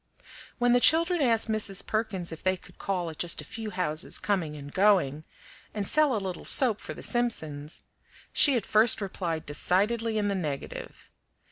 When the children asked Mrs. Perkins if they could call at just a few houses coming and going, and sell a little soap for the Simpsons, she at first replied decidedly in the negative.